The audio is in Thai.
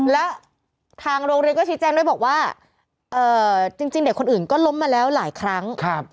และทางโรงเรียนก็ชี้แจ้งด้วยบอกว่าจริงเด็กคนอื่นก็ล้มมาแล้วหลายครั้ง